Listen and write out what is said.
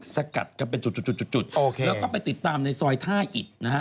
สกัดกันเป็นจุดแล้วก็ไปติดตามในซอยท่าอิดนะฮะ